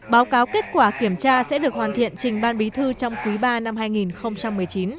báo cáo kết quả kiểm tra sẽ được hoàn thiện trình ban bí thư trong quý ba năm hai nghìn một mươi chín